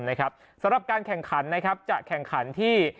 สำหรับการแข่งขันนะครับจะแข่งขันที่